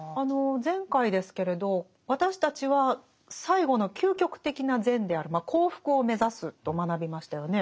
前回ですけれど私たちは最後の究極的な善である「幸福」を目指すと学びましたよね。